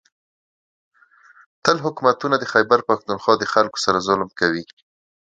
. تل حکومتونه د خېبر پښتونخوا د خلکو سره ظلم کوي